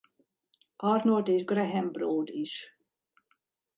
Arnold és Graham Broad is.